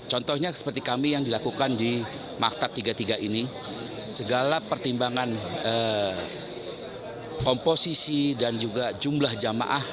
contohnya seperti kami yang dilakukan di maktab tiga puluh tiga ini segala pertimbangan komposisi dan juga jumlah jamaah